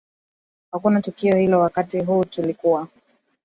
hakuna tukio hilo wakati huu tulikuwa